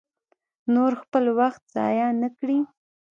نور خپل وخت ضایع نه کړي.